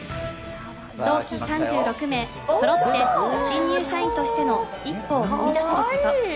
同期３６名そろって、新入社員としての一歩を踏み出せること。